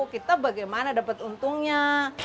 kita bagaimana dapat untungnya